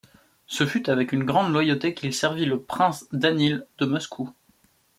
Ce fut avec une grande loyauté qu'il servit le prince Danil de Moscou.